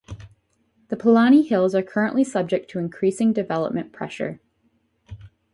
The Palani Hills are currently subject to increasing development pressure.